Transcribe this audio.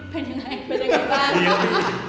เป็นยังไงเป็นยังไงบ้าง